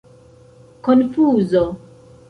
konfuzo